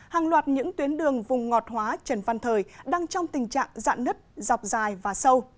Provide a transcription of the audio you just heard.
hàng loạt những tuyến đường vùng ngọt hóa trần văn thời đang trong tình trạng dạn nứt dọc dài và sâu